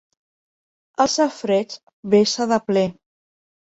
El safareig vessa de ple.